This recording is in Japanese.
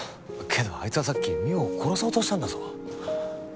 けどあいつはさっき望緒を殺そうとしたんだぞ。